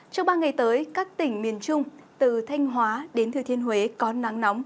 trong ba ngày tới các tỉnh miền trung từ thanh hóa đến thừa thiên huế có nắng nóng